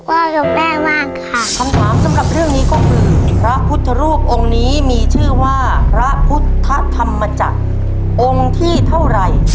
หนึ่งแสนบาทแล้วเราไปลุ้นหนึ่งล้านบาทในข้อต่อไป